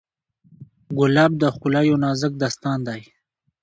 ګلاب د ښکلا یو نازک داستان دی.